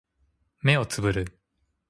目をつぶる